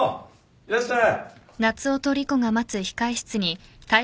いらっしゃい。